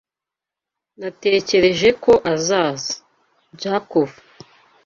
Natekereje ko azaza. (jakov)